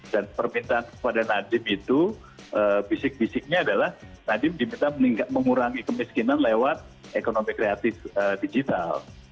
dan permintaan kepada nadiem itu fisik fisiknya adalah nadiem diminta mengurangi kemiskinan lewat ekonomi kreatif digital